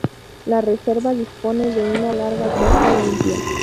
La reserva dispone de una larga costa limpia.